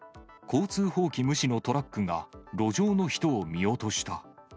交通法規無視のトラックが路上の人を見落とした。